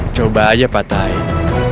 coba aja patahin